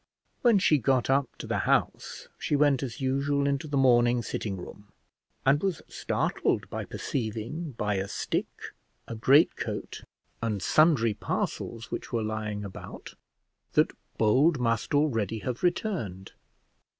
When she got up to the house, she went, as usual, into the morning sitting room, and was startled by perceiving, by a stick, a greatcoat, and sundry parcels which were lying about, that Bold must already have returned.